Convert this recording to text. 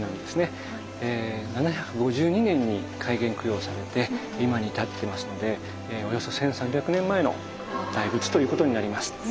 ７５２年に開眼供養されて今に至ってますのでおよそ１，３００年前の大仏ということになります。